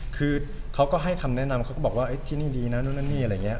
คือเขาก็ให้คำแนะนำเขาก็บอกว่าที่นี่ดีนะนู่นนั่นนี่อะไรอย่างนี้